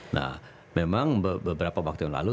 nah memang beberapa waktu yang lalu